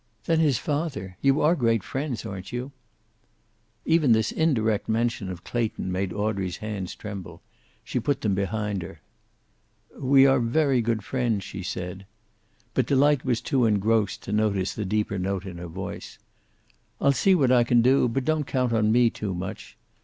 "Then his father. You are great friends, aren't you?" Even this indirect mention of Clayton made Audrey's hands tremble. She put them behind her. "We are very good friends," she said. But Delight was too engrossed to notice the deeper note in her voice. "I'll see what I can do. But don't count on me too much.